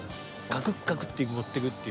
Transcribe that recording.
カクッカクッて持っていくっていう。